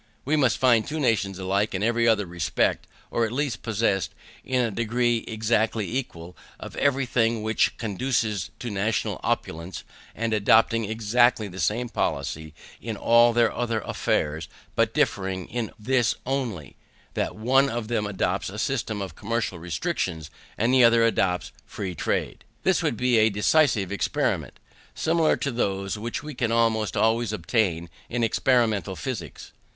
We must find two nations alike in every other respect, or at least possessed, in a degree exactly equal, of everything which conduces to national opulence, and adopting exactly the same policy in all their other affairs, but differing in this only, that one of them adopts a system of commercial restrictions, and the other adopts free trade. This would be a decisive experiment, similar to those which we can almost always obtain in experimental physics.